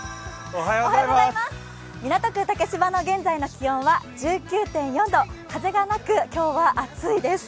港区竹芝の現在の気温は１９．４度、風がなく、今日は暑いです。